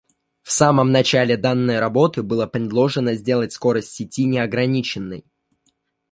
В самом начале данной работы было предложено сделать скорость сети неограниченной